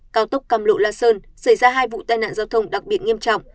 cao tốc cam lộ la sơn xảy ra hai vụ tai nạn giao thông đặc biệt nghiêm trọng